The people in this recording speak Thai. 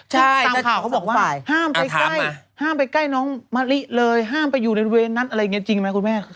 ใช่ตามข่าวเขาบอกว่าห้ามไปใกล้ห้ามไปใกล้น้องมะลิเลยห้ามไปอยู่ในบริเวณนั้นอะไรอย่างนี้จริงไหมคุณแม่